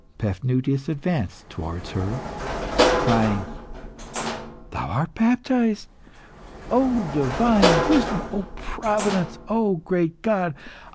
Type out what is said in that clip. Paphnutius advanced towards her, crying "Thou art baptised! O divine wisdom! O Providence! O great God!